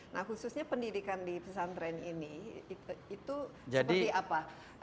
nah khususnya pendidikan di pesantren ini itu seperti apa